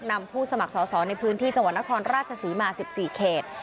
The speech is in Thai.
ผู้สมัครสอสอในพื้นที่จังหวัดนครราชศรีมา๑๔เขต